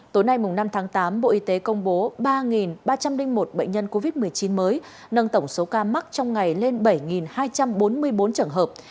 tối nay năm tháng tám bộ y tế công bố ba ba trăm linh một bệnh nhân covid một mươi chín mới nâng tổng số ca mắc trong ngày lên bảy hai trăm bốn mươi bốn trường hợp